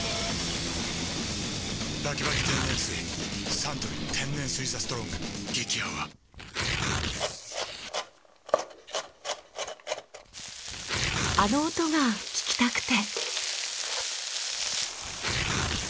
サントリー天然水「ＴＨＥＳＴＲＯＮＧ」激泡あの音が聞きたくて。